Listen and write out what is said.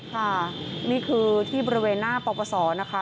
ค่ะนี่คือที่บริเวณหน้าประหว่สอนะคะ